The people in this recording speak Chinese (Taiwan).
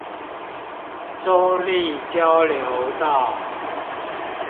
中壢交流道